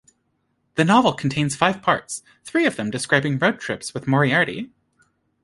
The novel contains five parts, three of them describing road trips with Moriarty.